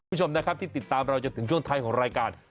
คุณผู้ชมนะครับที่ติดตามเราจนถึงช่วงท้ายของรายการ